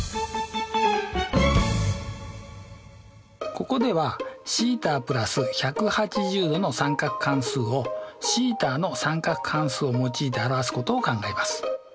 ここではθ＋１８０°の三角関数をθの三角関数を用いて表すことを考えます。